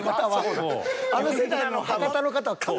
あの世代の博多の方はカメ。